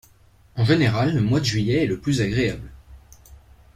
En général, le mois de juillet est le plus agréable.